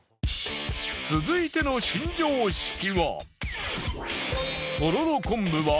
続いての新常識は。